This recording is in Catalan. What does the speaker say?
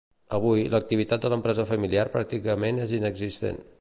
Avui, l'activitat de l'empresa familiar pràcticament és inexistent.